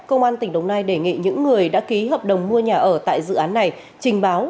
công an tỉnh đồng nai đề nghị những người đã ký hợp đồng mua nhà ở tại dự án này trình báo